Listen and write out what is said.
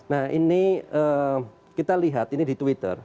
nah ini kita lihat ini di twitter